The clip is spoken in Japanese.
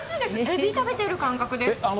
エビ食べてる感覚です。